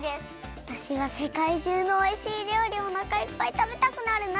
わたしはせかいじゅうのおいしいりょうりをおなかいっぱいたべたくなるな。